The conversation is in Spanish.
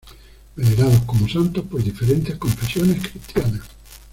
Venerados como santos por diferentes confesiones cristianas.